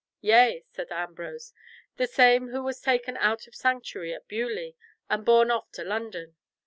"Yea," said Ambrose; "the same who was taken out of sanctuary at Beaulieu, and borne off to London.